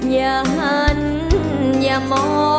อย่าหันอย่ามอง